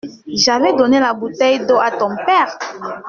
J’avais donné la bouteille d’eau à ton père.